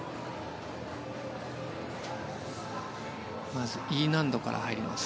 まずＥ難度から入ります。